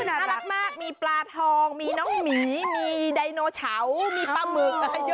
น่ารักมากมีปลาทองมีน้องหมีมีไดโนเฉามีปลาหมึก